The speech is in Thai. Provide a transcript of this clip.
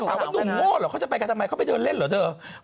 เขาเข้าถามว่าหนุ่มโง่หรอเขาจะไปกันทำไมเขาไปเดินเล่นเหรอเถอะ